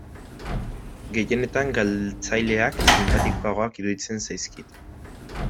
Gehienetan galtzaileak sinpatikoagoak iruditzen zaizkit.